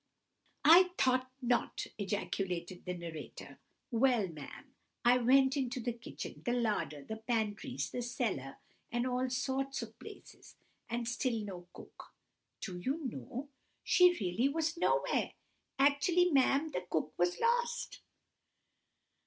"I thought not!" ejaculated the narrator. "Well, ma'am, I went into the kitchens, the larder, the pantries, the cellars, and all sorts of places, and still no cook! Do you know, she really was nowhere! Actually, ma'am, the cook was lost!"